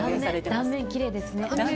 断面がきれいですね。